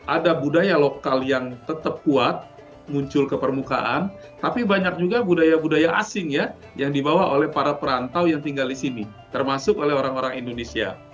ada budaya lokal yang tetap kuat muncul ke permukaan tapi banyak juga budaya budaya asing ya yang dibawa oleh para perantau yang tinggal di sini termasuk oleh orang orang indonesia